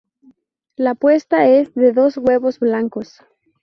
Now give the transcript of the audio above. La puesta es de dos huevos blancos.